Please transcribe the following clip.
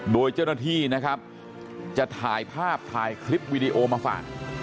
โดยเจ้าหน้าที่นะครับจะถ่ายภาพถ่ายคลิปวิดีโอมาฝาก